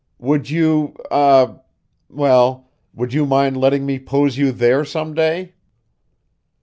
Would you, eh well, would you mind letting me pose you there some day?"